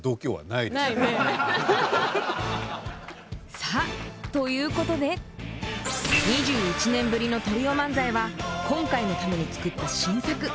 さあということで２１年ぶりのトリオ漫才は今回のために作った新作。